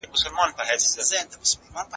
نيت د لفظ هغه بل احتمال ردوي او طلاق بلل کيږي.